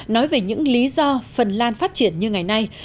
nói về những lý do phần lan phát triển như ngày nay